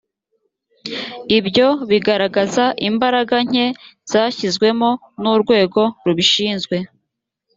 ibyo bigaragaza imbaraga nke zashyizwemo n urwego rubishinzwe